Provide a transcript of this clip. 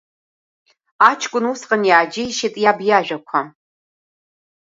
Аҷкәын усҟан иааџьеишьеит иаб иажәақәа.